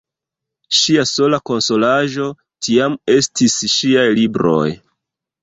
Ŝia sola konsolaĵo tiam estis ŝiaj libroj.